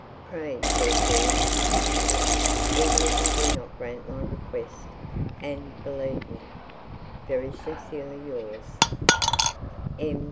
Pray therefore excuse me, even if you do not grant my request, and believe me, 'Very sincerely yours, M.